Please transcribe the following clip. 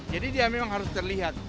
jadi dia memang harus terlihat